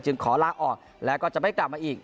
ขอลาออกแล้วก็จะไม่กลับมาอีก